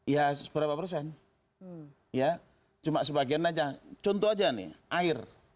ya berapa persen ya cuma sebagian aja contoh aja nih air